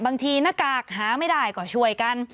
บางทีหน้ากากหาไม่ได้ก็ช่วยกัน